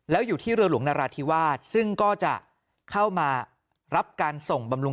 แล้วอยู่ที่เรือหลวงนราธิวาสซึ่งก็จะเข้ามารับการส่งบำรุง